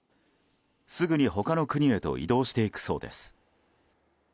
すぐ日本の国へと移動していくそうです。